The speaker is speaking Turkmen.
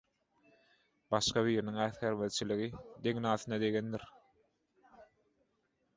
başga biriniň äsgermezçiligi degnasyna degendir